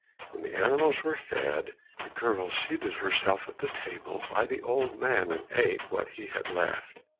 When the animals were fed, the girl seated herself at the table by the old man, and ate what he had left.